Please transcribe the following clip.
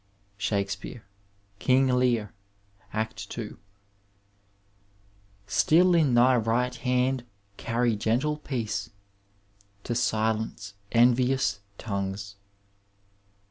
Shaeesfeabs, Kiing Lear, Act IL Still in thy right hand carry gentle peace. To silence envious tongues.